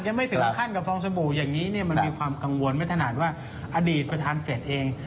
ไม่ถึงขั้นกับฟองสบู่อย่างนี้เนี่ยมันมีความกังวลไม่ถนัดว่าอดีตประธานเฟสเอง